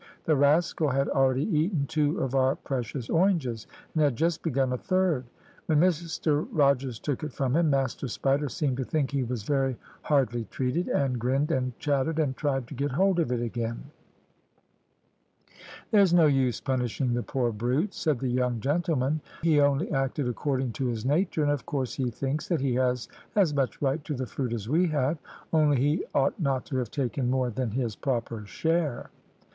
The rascal had already eaten two of our precious oranges, and had just begun a third. When Mr Rogers took it from him, Master Spider seemed to think he was very hardly treated, and grinned, and chattered, and tried to get hold of it again. "`There's no use punishing the poor brute,' said the young gentleman; `he only acted according to his nature, and of course he thinks that he has as much right to the fruit as we have, only he ought not to have taken more than his proper share.'